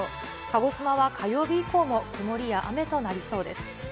鹿児島は火曜日以降も、曇りや雨となりそうです。